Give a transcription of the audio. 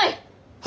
はい！